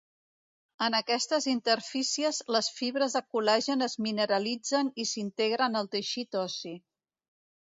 En aquestes interfícies les fibres de col·lagen es mineralitzen i s'integren al teixit ossi.